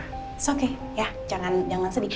it's okay ya jangan sedih